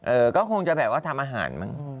ก็คงจะแบบว่าทำอาหารมั้ง